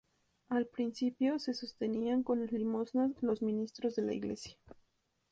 Al principio, se sostenían con las limosnas los ministros de la Iglesia.